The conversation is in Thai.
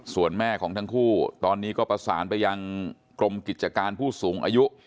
ส่วนแม่ของทั้งคู่ตอนนี้ก็ประสานไปยังกรมกิจการผู้สูงอายุ